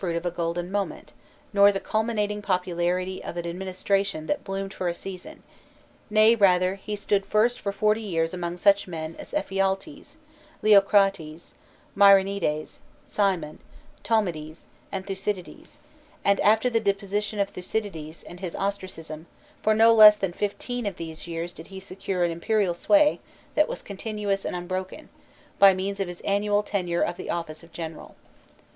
52 1603 PERICLES the culminating popularity of an administration that bloomed but for a season ; nay rather he stood first for forty_yearsL_among such men as Ephialtes, Leocrates, Myronides, Cimon, Tolmides, and Thucy dides, and after the deposition of Thucydides and his ostracism, for no less than fifteen of these years did he secure an imperial sway that was continuous and unbroken, by means of his annual tenure of the office of general.